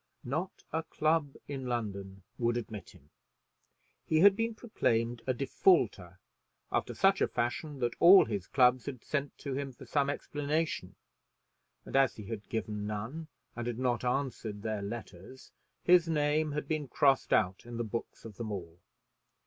Not a club in London would admit him. He had been proclaimed a defaulter after such a fashion that all his clubs had sent to him for some explanation; and as he had given none, and had not answered their letters, his name had been crossed out in the books of them all.